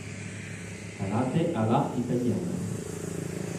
Calate a la italiana.